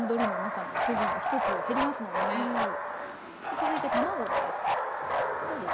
続いて卵です。